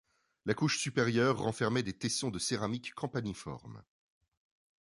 La couche supérieure renfermait des tessons de céramique campaniforme.